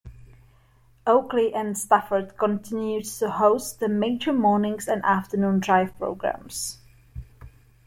Oakley and Stafford continued to host the major morning and afternoon drive programs.